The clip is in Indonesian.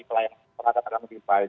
pelayanan pengadaan akan lebih baik